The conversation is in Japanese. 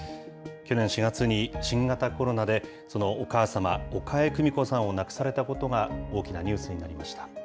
去年４月に新型コロナでそのお母様、岡江久美子さんを亡くされたことが大きなニュースになりまし